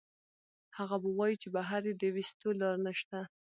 هغه به وائي چې بهر ئې د ويستو لار نشته